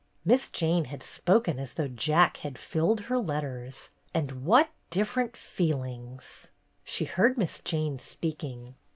Miss Jane had spoken as though Jack had filled her letters, and what different feelings — She heard Miss Jane speaking.